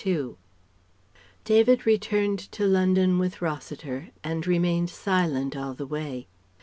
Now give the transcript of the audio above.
David returned to London with Rossiter and remained silent all the way.